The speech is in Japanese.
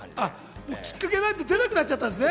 きっかけが出なくなっちゃったんですね。